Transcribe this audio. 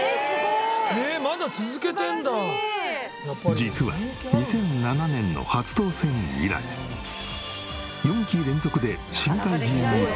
実は２００７年の初当選以来４期連続で市議会議員に当選。